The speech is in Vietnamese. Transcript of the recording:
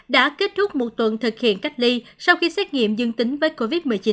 đã kết thúc một tuần thực hiện cách ly sau khi xét nghiệm dương tính với covid một mươi chín